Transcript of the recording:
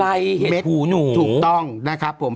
เม็ดหูหนูถูกต้องนะครับผม